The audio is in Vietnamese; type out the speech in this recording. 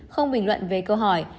không bình luận về câu hỏi